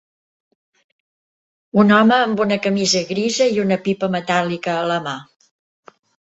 Un home amb una camisa grisa i una pipa metàl·lica a la mà.